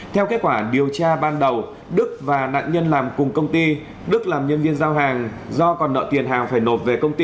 theo kết quả điều tra ban đầu đức và nạn nhân làm cùng công ty đức làm nhân viên giao hàng do còn nợ tiền hàng phải nộp về công ty